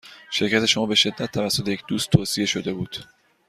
شرکت شما به شدت توسط یک دوست توصیه شده بود.